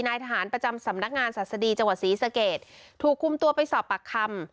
นายทหารประจำสำนักงานศาสดีจังหวัดศรีสเกตถูกคุมตัวไปสอบปากคำ